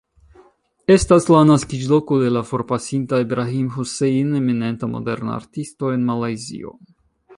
Estas la naskiĝloko de la forpasinta Ibrahim Hussein, eminenta moderna artisto en Malajzio.